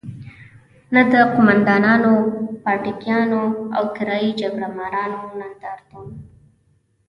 نه د قوماندانانو، پاټکیانو او کرايي جګړه مارانو نندارتون.